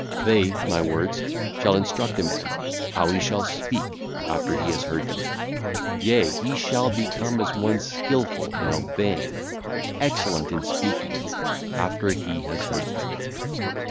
They (my words) shall instruct a man; how he shall speak, after he hath heard them; yea, he shall become as one skilful in obeying, excellent in speaking, after he hath heard them.